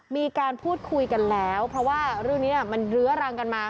มีการพูดคุยกันแล้วเพราะว่าเรื่องนี้มันเรื้อรังกันมา